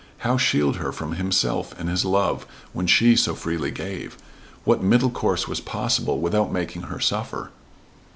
How shield her from himself and his love when she so freely gave? What middle course was possible, without making her suffer?